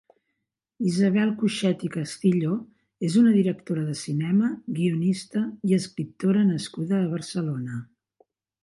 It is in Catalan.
Isabel Coixet i Castillo és una directora de cinema, guionista i escriptora nascuda a Barcelona.